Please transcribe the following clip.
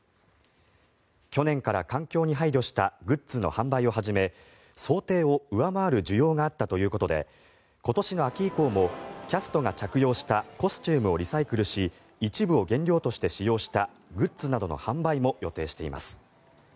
去年から環境に配慮したグッズの販売を始め想定を上回る需要があったということで今年の秋以降もキャストが着用したコスチュームをリサイクルし一部を原料として使用したグッズなどの販売も予定しています。